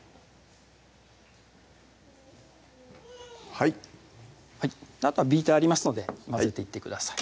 はいあとはビーターありますので混ぜていってください